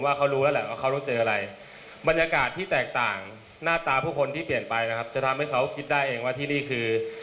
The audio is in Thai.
ไปฟังคลิปบางชั่วบางตอนชวับเต็มที่เราตัดมาให้ชมในข้อความสำคัญหน่อยครับ